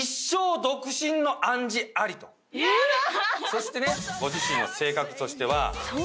そしてねご自身の性格としては。